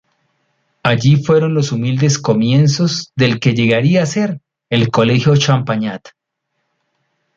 Allí fueron los humildes comienzos del que llegaría a ser el Colegio Champagnat.